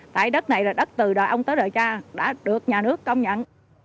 tại đất này là đất từ đời ông tới đời cha đã được nhà nước công nhận